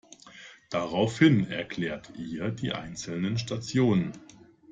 Daraufhin erklärt ihr die einzelnen Stationen.